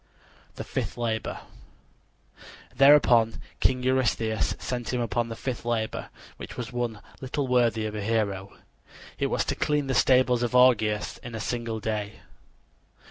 THE FIFTH LABOR Thereupon King Eurystheus sent him upon the fifth labor, which was one little worthy of a hero. It was to clean the stables of Augeas in a single day.